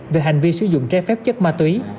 về hành vi sử dụng trái phép chất ma túy